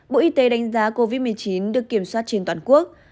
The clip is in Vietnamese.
bộ y tế đánh giá covid một mươi chín được kiểm soát trên toàn quốc